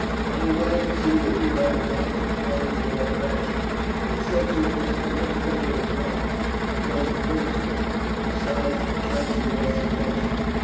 I am glad to see that you have adopted clothes of our fashion; they set you off to much better advantage than does the British garb, besides attracting less attention."